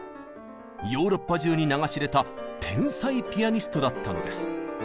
ヨーロッパ中に名が知れた天才ピアニストだったのです。